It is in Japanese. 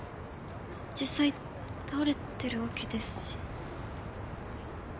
実際倒れてるわけですし。